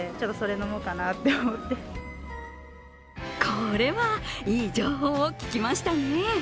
これは、いい情報を聞きましたね